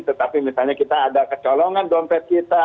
tetapi misalnya kita ada kecolongan dompet kita